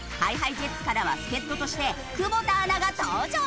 ＨｉＨｉＪｅｔｓからは助っ人として久保田アナが登場。